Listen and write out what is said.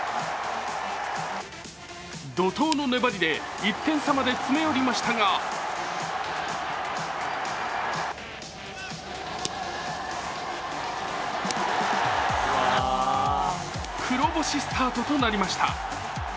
怒とうの粘りで１点差まで詰め寄りましたが黒星スタートとなりました。